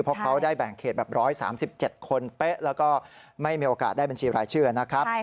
เพราะเขาได้แบ่งเขตแบบ๑๓๗คนเป๊ะแล้วก็ไม่มีโอกาสได้บัญชีรายชื่อนะครับ